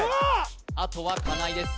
あとは金井です